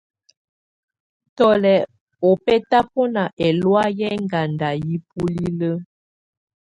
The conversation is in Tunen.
Tù lɛ̀ ɔbɛ̀tabɔna ɛlɔ̀áyɛ yɛ̀ ɛŋganda yi bulilǝ.